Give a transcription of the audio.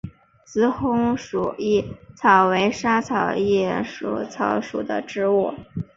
紫红鞘薹草为莎草科薹草属的植物。